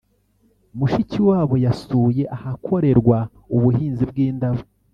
Mushikiwabo yasuye ahakorerwa ubuhinzi bw’indabo